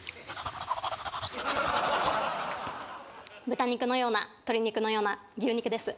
豚肉のような鶏肉のような牛肉です。